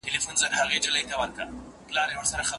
سره او سپین زر له اسمانه پر چا نه دي اورېدلي